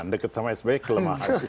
nah dekat sama sby kelemahannya